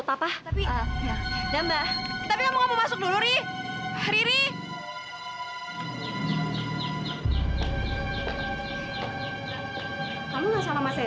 nah tadi mau mau rade ashley